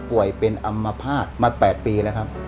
ป่วยเป็นอัมภาษณ์มา๘ปีแล้วครับ